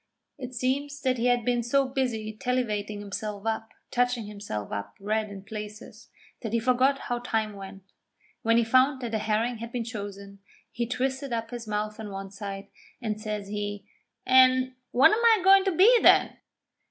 It seems that he had been so busy tallivating himself up, touching himself up red in places, that he forgot how time went. When he found that the herring had been chosen, he twisted up his mouth on one side, and says he: 'An' what am I goin' to be then?'